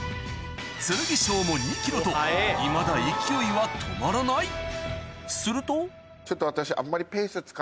剣翔も２ｋｇといまだ勢いは止まらないするとちょっと私。